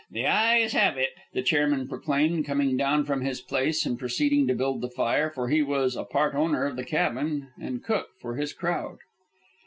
"The ayes have it," the chairman proclaimed, coming down from his place and proceeding to build the fire, for he was a part owner of the cabin and cook for his crowd.